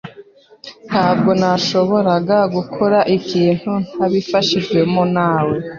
Ntabwo nashoboraga gukora ikintu ntabifashijwemo na .